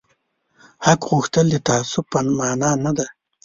حق غوښتل د تعصب په مانا نه دي